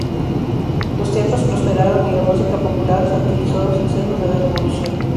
Los teatros prosperaron y la música popular satirizó los excesos de la revolución.